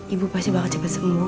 ibu pasti bakal cepet sembuh